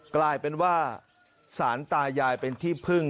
กลายเป็นว่าสารตายายเป็นที่พึ่ง